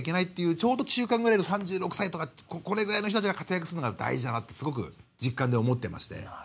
ちょうど中間ぐらいの３６歳ぐらいの人が活躍するのが大事だなとすごく実感で思ってまして。